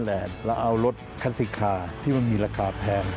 เราเอารถคาสิคคาที่มันมีราคาแพง